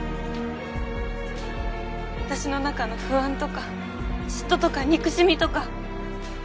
私の中の不安とか嫉妬とか憎しみとか